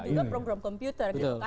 ada juga program komputer